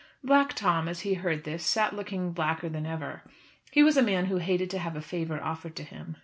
Black Tom, as he heard this, sat still looking blacker than ever. He was a man who hated to have a favour offered to him.